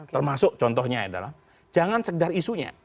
termasuk contohnya adalah jangan sekedar isunya